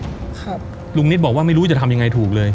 ครับลุงนิตบอกว่าไม่รู้จะทำยังไงถูกเลย